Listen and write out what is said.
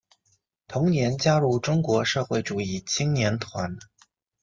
同年加入中国社会主义青年团。